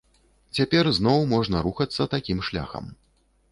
Цяпер зноў можна рухацца такім шляхам.